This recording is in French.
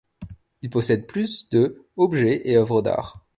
Il possède plus de objets et œuvres d'art.